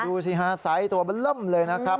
ดูสิฮะไซส์ตัวมันเริ่มเลยนะครับ